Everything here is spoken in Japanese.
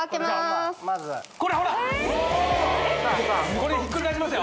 これひっくり返しますよ